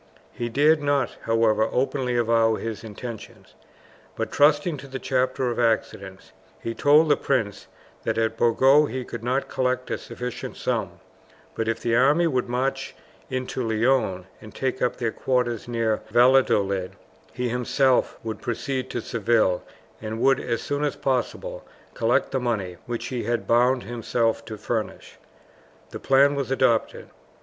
He dared not, however, openly avow his intentions; but, trusting to the chapter of accidents, he told the prince that at Burgos he could not collect a sufficient sum; but if the army would march into Leon and take up their quarters near Valladolid, he himself would proceed to Seville, and would as soon as possible collect the money which he had bound himself to furnish. The plan was adopted.